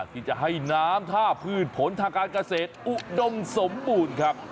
ที่จะให้น้ำท่าพืชผลทางการเกษตรอุดมสมบูรณ์ครับ